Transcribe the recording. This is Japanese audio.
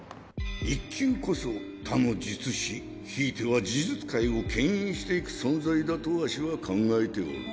１級こそ他の術師ひいては呪術界をけん引していく存在だとわしは考えておる。